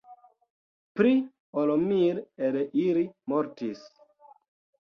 Pli ol mil el ili mortis.